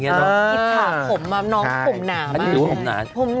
อืมสากผมมาน้องผมหนามาก